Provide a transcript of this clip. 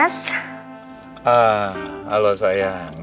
mas udah tau sekarang kalo reva ada dimana